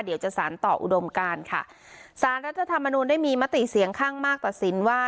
เดี๋ยวจะสารต่ออุดมการค่ะสารรัฐธรรมนูลได้มีมติเสียงข้างมากตัดสินว่า